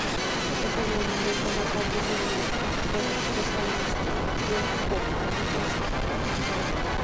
Es el monumento más valioso de la arquitectura religiosa en Ostrów Wielkopolski.